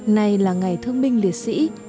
này là ngày thương binh liệt sĩ